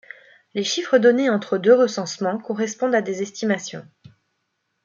Les chiffres donnés entre deux recensements correspondent à des estimations.